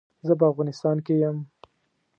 زه په افغانيستان کې يم.